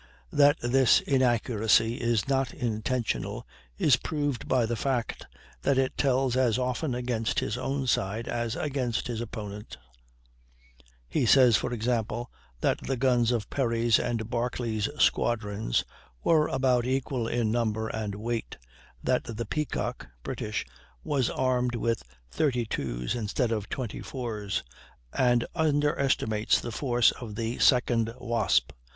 That this inaccuracy is not intentional is proved by the fact that it tells as often against his own side as against his opponents. He says, for example, that the guns of Perry's and Barclay's squadrons "were about equal in number and weight," that the Peacock (British) was armed with 32's instead of 24's, and underestimates the force of the second Wasp.